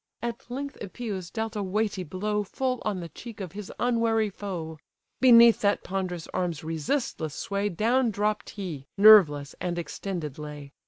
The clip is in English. At length Epeus dealt a weighty blow Full on the cheek of his unwary foe; Beneath that ponderous arm's resistless sway Down dropp'd he, nerveless, and extended lay.